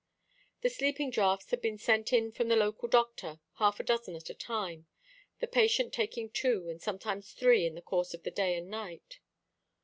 The sleeping draughts had been sent in from the local doctor, half a dozen at a time, the patient taking two and sometimes three in the course of the day and night.